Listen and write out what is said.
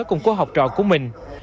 cùng cô học trò của mình